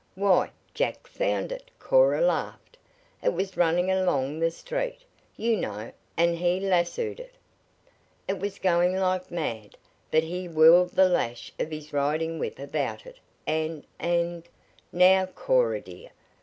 "Why Jack found it," Cora laughed. "It was running along the street, you know, and he lassoed it. It was going like mad, but he whirled the lash of his riding whip about it and and " "Now, Cora, dear!"